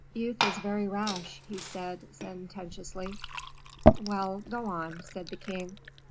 "Youth is very rash," he said, sententiously. "Well, go on," said the king.